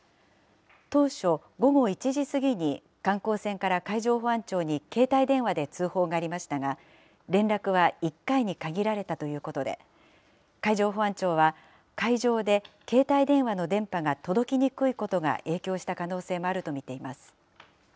当初、午後１時過ぎに観光船から海上保安庁に携帯電話で通報がありましたが、連絡は１回に限られたということで、海上保安庁は、海上で携帯電話の電波が届きにくいことが影響した可能性もあると見ています。